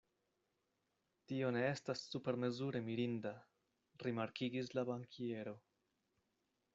Tio ne estas supermezure mirinda, rimarkigis la bankiero.